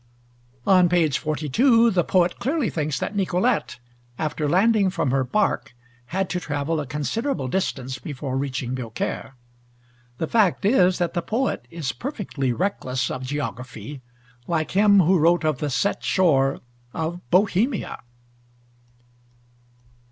On p. 42, the poet clearly thinks that Nicolete, after landing from her barque, had to travel a considerable distance before reaching Biaucaire. The fact is that the poet is perfectly reckless of geography, like him who wrote of the set shore of Bohemia.